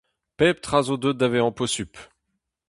Pep tra zo deuet da vezañ posupl !